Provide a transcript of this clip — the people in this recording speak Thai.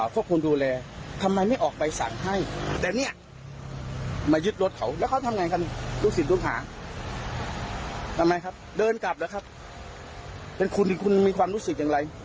เป็นคุณหรือคุณมีความรู้สึกอย่างไร